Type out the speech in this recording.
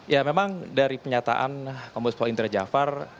ya memang dari penyataan kompes pol indra jafar